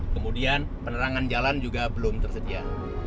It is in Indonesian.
kemudian penerangan jalan juga belum tersedia